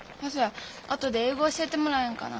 あとで英語教えてもらえんかな。